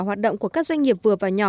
hoạt động của các doanh nghiệp vừa và nhỏ